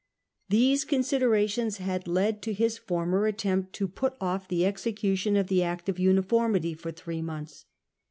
These considerations had led to his former attempt to put off the execution of the Act of Uniformity for three months.